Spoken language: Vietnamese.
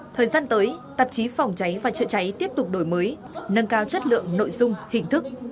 thời gian tới tạp chí phòng cháy và chữa cháy tiếp tục đổi mới nâng cao chất lượng nội dung hình thức